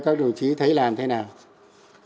các đồng chí thấy làm thế nào